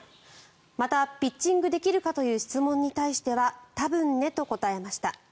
また、ピッチングできるかという質問に対しては多分ねと答えました。